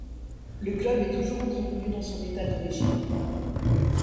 Le club est toujours entretenu dans son état d’origine.